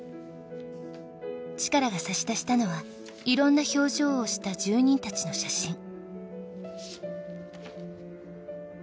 チカラが差し出したのはいろんな表情をした住人たちの写真。